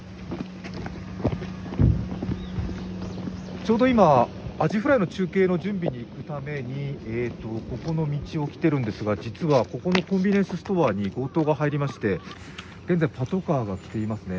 ちょうど今、アジフライの中継の準備のためにここの道を来てるんですが、実はここのコンビニエンスストア強盗が入りまして、現在、パトカーが来ていますね。